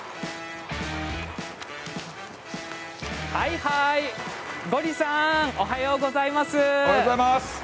はいはいゴリさん、おはようございます。